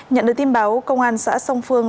nhận được tin báo công an xã song phương